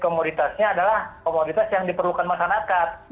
komoditasnya adalah komoditas yang diperlukan masyarakat